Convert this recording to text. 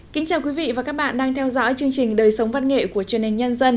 kính chào quý vị và các bạn đang theo dõi chương trình đời sống văn nghệ của truyền hình nhân dân